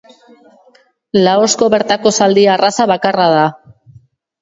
Laosko bertako zaldi arraza bakarra da.